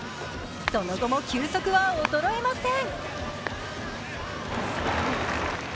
その後も球速は衰えません。